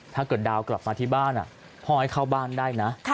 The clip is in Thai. ดาวกลับมาที่บ้านพ่อให้เข้าบ้านได้นะ